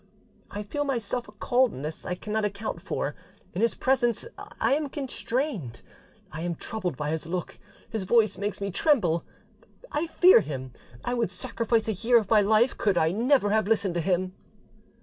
I feel myself a coldness I cannot account for; in his presence I am constrained, I am troubled by his look, his voice makes me tremble: I fear him; I would sacrifice a year of my life could I never have listened to him."